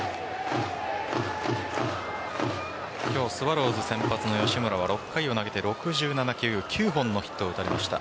今日スワローズ先発の吉村は６回を投げて６７球９本のヒットを打たれました。